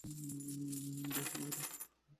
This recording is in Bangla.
বাহ, ওরা তোমাকে ভালোই পোষ মানিয়েছে!